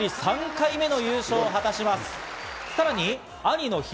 ３回目の優勝を果たします。